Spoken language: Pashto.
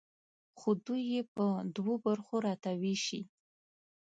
خو دوی یې په دوو برخو راته ویشي.